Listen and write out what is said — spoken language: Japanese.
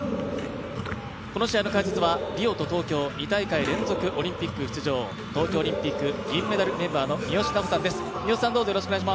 この試合の解説はリオと東京２大会連続オリンピック出場東京オリンピック銀メダルメンバーの三好南穂さんです。